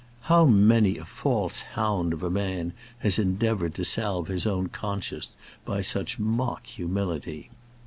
How many a false hound of a man has endeavoured to salve his own conscience by such mock humility?